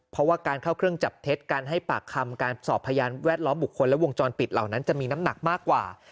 เพราะว่าการเข้าเครื่องจับเท็จการให้ปากคำการสอบพยานแวดล้อมบุคคลและวงจรปิดเหล่านั้นจะมีน้ำหนักมากกว่า